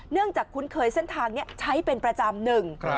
เนื่องจากคุ้นเคยเส้นทางใช้เป็นประจำหนึ่ง